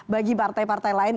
bagi partai partai lain